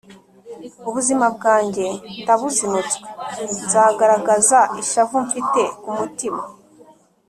ubuzima bwanjye ndabuzinutswe, nzagaragaza ishavu mfite ku mutima